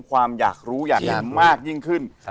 ความอยากรู้อยากเห็นมากยิ่งขึ้น